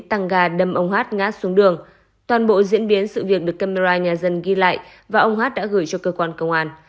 tăng ga đâm ông hát ngã xuống đường toàn bộ diễn biến sự việc được camera nhà dân ghi lại và ông hát đã gửi cho cơ quan công an